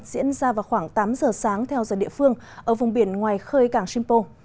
diễn ra vào khoảng tám giờ sáng theo giờ địa phương ở vùng biển ngoài khơi cảng simpo